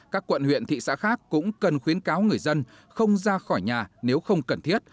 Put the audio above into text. các quận huyện thị xã khác cũng cần khuyến cáo người dân không ra khỏi nhà nếu không cần thiết